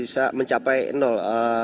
ini bisa mencapai nol